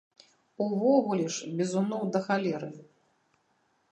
Увогуле ж бізуноў да халеры.